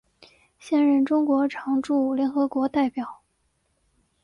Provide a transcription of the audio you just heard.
现任中国常驻联合国代表。